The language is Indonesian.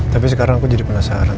tapi sekarang aku jadi penasaran